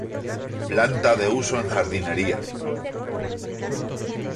Planta de uso en jardinería.